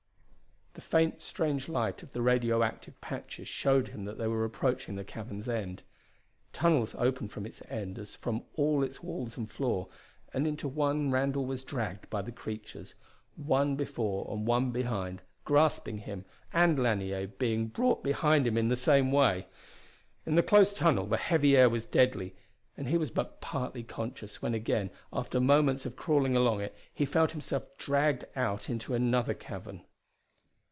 The faint, strange light of the radio active patches showed him that they were approaching the cavern's end. Tunnels opened from its end as from all its walls and floor, and into one Randall was dragged by the creatures, one before and one behind, grasping him, and Lanier being brought behind him in the same way. In the close tunnel the heavy air was deadly, and he was but partly conscious when again, after moments of crawling along it, he felt himself dragged out into another cavern.